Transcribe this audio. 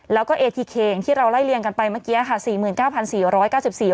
แล้วก็เอทีเคที่เราไล่เลี่ยงกันไปเมื่อกี้ค่ะสี่หมื่นเก้าพันสี่ร้อยเก้าสิบสี่